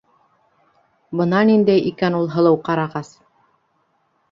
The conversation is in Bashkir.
Бына ниндәй икән ул һылыу ҡарағас!